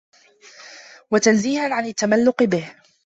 وَتَنْزِيهًا عَنْ التَّمَلُّقِ بِهِ